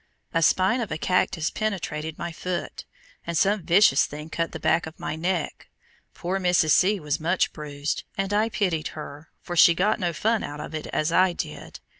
A spine of a cactus penetrated my foot, and some vicious thing cut the back of my neck. Poor Mrs. C. was much bruised, and I pitied her, for she got no fun out of it as I did.